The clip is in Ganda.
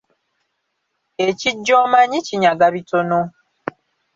Ekijja omanyi, kinyaga bitono.